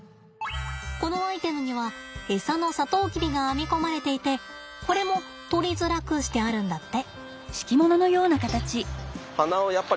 このアイテムにはエサのサトウキビが編み込まれていてこれも取りづらくしてあるんだって。